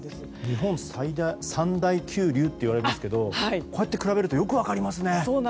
日本三大急流といわれますけどこうやって比べるとよく分かりますね。